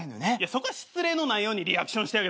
そこは失礼のないようにリアクションしてあげたらええやん。